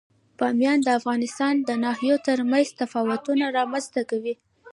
بامیان د افغانستان د ناحیو ترمنځ تفاوتونه رامنځ ته کوي.